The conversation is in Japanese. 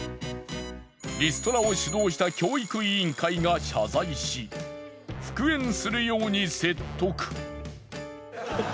リストラを主導した教育委員会が謝罪し復縁するように説得。